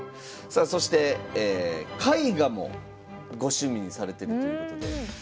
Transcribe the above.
さあそして絵画もご趣味にされてるということで。